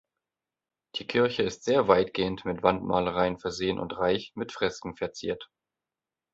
Die Kirche ist sehr weitgehend mit Wandmalereien versehen und reich mit Fresken verziert.